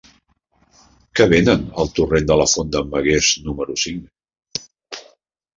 Què venen al torrent de la Font d'en Magués número cinc?